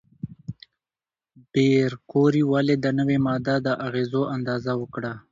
پېیر کوري ولې د نوې ماده د اغېزو اندازه وکړه؟